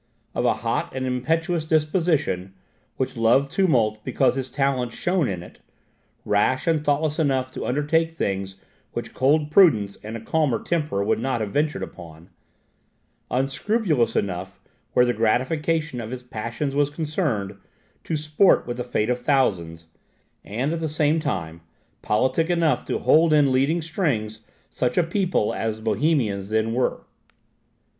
Of a hot and impetuous disposition, which loved tumult because his talents shone in it rash and thoughtless enough to undertake things which cold prudence and a calmer temper would not have ventured upon unscrupulous enough, where the gratification of his passions was concerned, to sport with the fate of thousands, and at the same time politic enough to hold in leading strings such a people as the Bohemians then were.